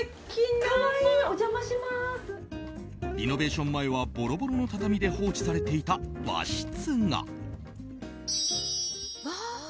リノベーション前はボロボロの畳で放置されていた和室が。